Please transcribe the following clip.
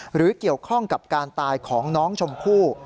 หรือเกี่ยวข้องกับการตายของน้องชมพู่